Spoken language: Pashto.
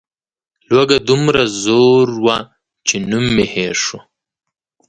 لوږه دومره زور وه چې نوم مې هېر شو.